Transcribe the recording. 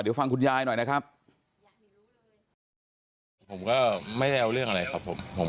เดี๋ยวฟังคุณยายหน่อยนะครับ